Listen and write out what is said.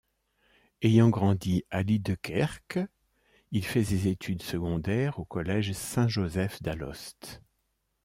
Ayant grandi à Liedekerke, il fait ses études secondaires au collège Saint-Joseph d'Alost.